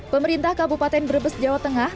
pemerintah kabupaten brebes jawa tengah